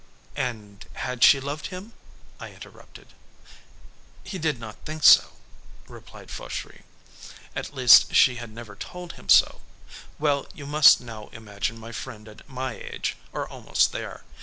'" "And had she loved him?" I interrupted. "He did not think so," replied Fauchery. "At least she had never told him so. Well, you must now imagine my friend at my age or almost there.